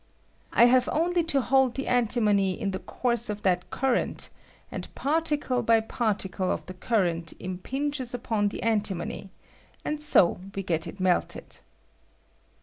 I have only to hold the antimony in. the course of that cur rent, and particle by particle of the current impinges upon the antimony, and so we get it melted.